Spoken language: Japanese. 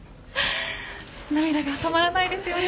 涙が止まらないですよね。